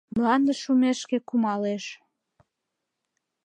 Мландыш шумешке кумалеш.